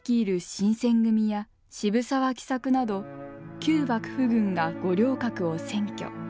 新選組や渋沢喜作など旧幕府軍が五稜郭を占拠。